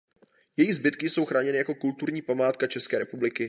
Její zbytky jsou chráněny jako kulturní památka České republiky.